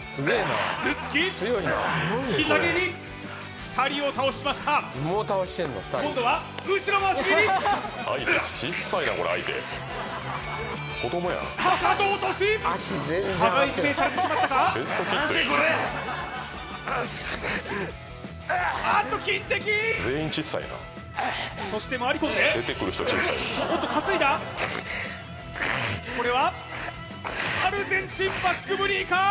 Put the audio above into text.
頭突きひざ蹴り２人を倒しました今度は後ろ回し蹴りウワックックックかかと落とし羽交い締めにされてしまったかあっと金的そして回り込んでおっと担いだこれはアルゼンチン・バックブリーカー！